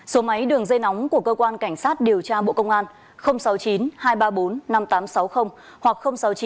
số máy đường dây nóng của cơ quan cảnh sát điều tra bộ công an sáu mươi chín hai trăm ba mươi bốn năm nghìn tám trăm sáu mươi hoặc sáu mươi chín hai trăm ba mươi một một nghìn sáu trăm bảy